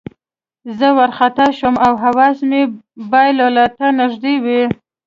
زه وارخطا شوم او حواس مې بایللو ته نږدې وو